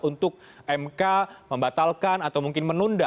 untuk mk membatalkan atau mungkin menunda